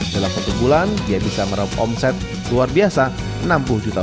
dalam satu bulan dia bisa meraup omset luar biasa enam puluh juta